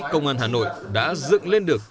công an hà nội đã dựng lên được